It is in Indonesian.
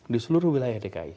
di seluruh wilayah dki